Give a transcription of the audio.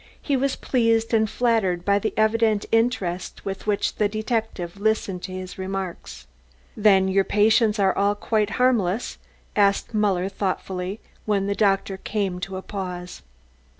He was pleased and flattered by the evident interest with which the detective listened to his remarks. "Then your patients are all quite harmless?" asked Muller thoughtfully, when the doctor came to a pause.